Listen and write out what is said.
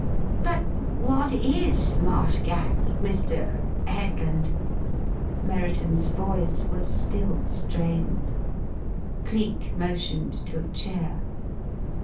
"But what is marsh gas, Mr. Headland?" Merriton's voice was still strained. Cleek motioned to a chair.